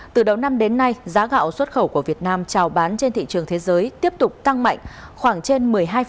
từ đầu năm đến nay giá gạo xuất khẩu của việt nam trào bán trên thị trường thế giới tiếp tục tăng mạnh khoảng trên một mươi hai